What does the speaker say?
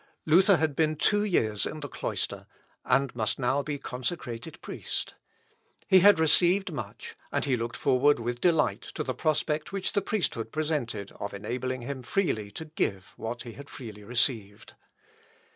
Luther had been two years in the cloister, and must now be consecrated priest. He had received much, and he looked forward with delight to the prospect which the priesthood presented of enabling him freely to give what he had freely received.